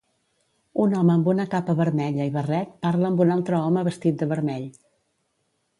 Un home amb una capa vermella i barret parla amb un altre home vestit de vermell.